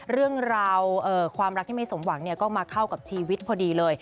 เรื่องราวความรักที่ไม่สมหวังก็มาเข้ากับชีวิตพอดีเลย